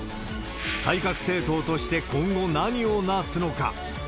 改革政党として今後何をなすのか。